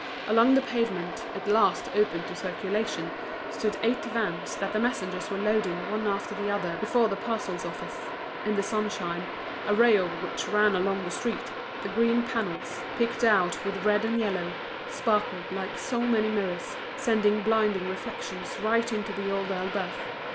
Along the pavement, at last open to circulation, stood eight vans that the messengers were loading one after the other before the parcels office. In the sunshine, a ray of which ran along the street, the green panels, picked out with red and yellow, sparkled like so many mirrors, sending blinding reflections right into The Old Elbeuf.